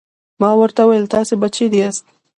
ما ورته وویل: تاسې به چیرې یاست؟